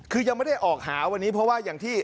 คือยังไม่ได้ออกหาวันนี้เพราะว่าอย่างที่